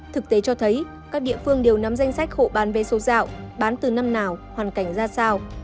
thực tế cho thấy các địa phương đều nắm danh sách hộ bán vé số dạo bán từ năm nào hoàn cảnh ra sao